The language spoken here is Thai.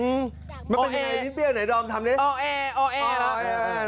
เอ้าแออ้าวแออ้าว